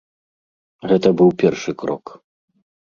Гэта быў першы крок.